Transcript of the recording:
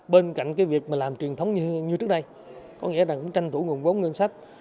bên cạnh việc làm truyền thống như trước đây có nghĩa là tranh thủ nguồn vốn ngân sách